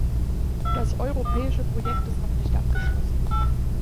Das europäische Projekt ist noch nicht abgeschlossen.